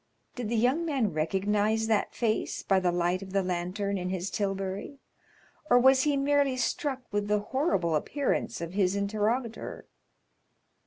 30229m Did the young man recognize that face by the light of the lantern in his tilbury, or was he merely struck with the horrible appearance of his interrogator?